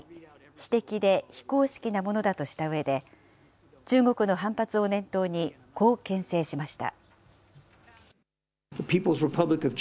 私的で非公式なものだとしたうえで、中国の反発を念頭に、こうけん制しました。